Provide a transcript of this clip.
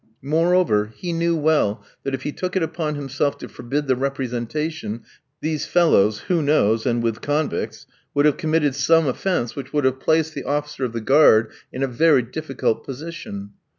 Moreover, he knew well that if he took it upon himself to forbid the representation, these fellows (who knows, and with convicts?) would have committed some offence which would have placed the officer of the guard in a very difficult position.